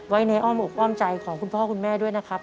ไว้ในอ้อมอกอ้อมใจของคุณพ่อคุณแม่ด้วยนะครับ